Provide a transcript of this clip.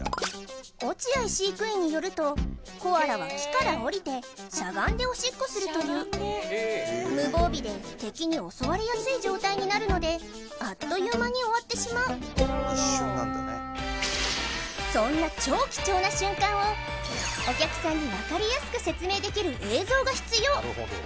落合飼育員によるとコアラは木からおりてしゃがんでおしっこするという無防備で敵に襲われやすい状態になるのであっという間に終わってしまうそんな超貴重な瞬間をお客さんに分かりやすく説明できる映像が必要